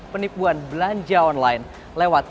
penipuan belanja online lewat